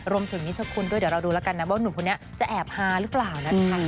นิสกุลด้วยเดี๋ยวเราดูแล้วกันนะว่าหนุ่มคนนี้จะแอบฮาหรือเปล่านะคะ